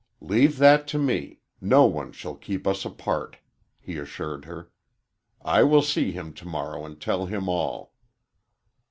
"Leave that to me no one shall keep us apart," he assured her. "I will see him tomorrow and tell him all."